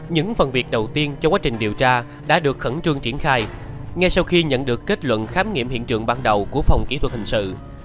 những phần việc đầu tiên trong quá trình điều tra đã được khẩn trương triển khai ngay sau khi nhận được kết luận khám nghiệm hiện trường ban đầu của phòng kỹ thuật hình sự